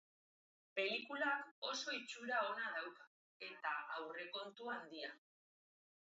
Pelikulak oso itxura ona dauka, eta aurrekontu handia.